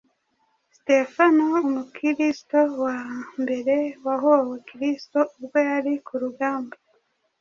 Sitefano, Umukristo wa mbere wahowe Kristo, ubwo yari ku rugamba